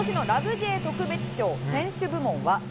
Ｊ特別賞選手部門は。